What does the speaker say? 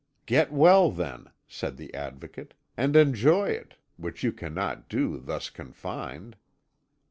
"Get well, then," said the Advocate, "and enjoy it which you cannot do, thus confined."